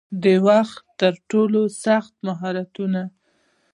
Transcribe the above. د وخت ترټولو سخت مهارتونه